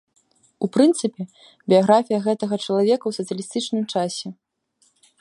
У прынцыпе, біяграфія гэтага чалавека ў сацыялістычным часе.